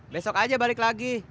besok aja balik lagi